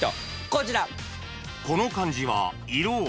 こちら。